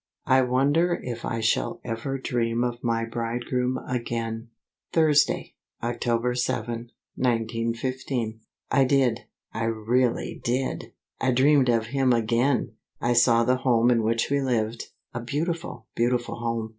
I wonder if I shall ever dream of my bridegroom again? Thursday, October 7, 1915. I did; I really did! I dreamed of him again! I saw the home in which we lived, a beautiful, beautiful home.